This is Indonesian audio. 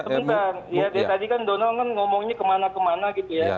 sebentar tadi kan donald ngomongnya kemana kemana gitu ya